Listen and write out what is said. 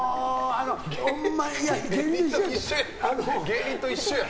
芸人と一緒や？